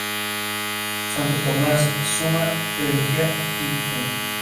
Santo Tomás, "Summa Theologiae" I. q.